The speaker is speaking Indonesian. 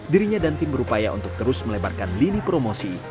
dirinya dan tim berupaya untuk terus melebarkan lini promosi